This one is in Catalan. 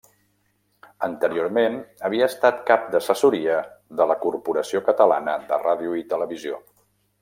Anteriorment havia estat cap d'assessoria de la Corporació Catalana de Ràdio i Televisió.